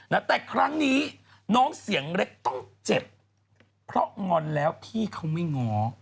นะแต่ครั้งนี้น้องเสียงเล็กต้องเจ็บเพราะงอนแล้วพี่เขาไม่ง้อ